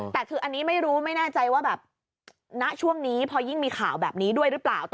แต่คืออันนี้ไม่รู้ไม่แน่ใจว่าแบบณช่วงนี้พอยิ่งมีข่าวแบบนี้ด้วยหรือเปล่า